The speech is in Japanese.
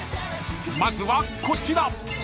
まずはこちら］